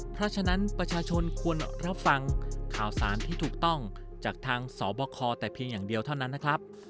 เพราะฉะนั้นประชาชนควรรับฟังข่าวสารที่ถูกต้องจากทางสบคแต่เพียงอย่างเดียวเท่านั้นนะครับ